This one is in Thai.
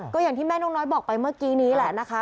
ก็อย่างที่แม่นกน้อยบอกไปเมื่อกี้นี้แหละนะคะ